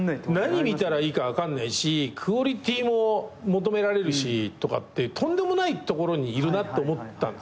何見たらいいか分かんないしクオリティーも求められるしとかってとんでもないところにいるなって思ったんですよ。